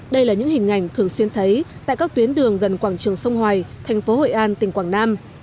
đây là những hình ảnh thường xuyên thấy tại các tuyến đường gần quảng trường sông hoài thành phố hội an tỉnh quảng nam